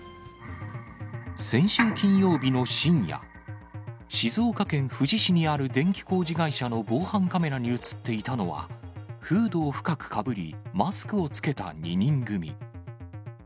先週金曜日の深夜、静岡県富士市にある電気工事会社の防犯カメラに写っていたのは、フードを深くかぶり、マスクを着けた２人組。